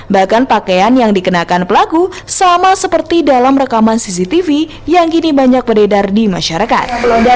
bahkan pakaian yang dikenakan pelaku sama seperti dalam rekaman cctv yang kini banyak beredar di masyarakat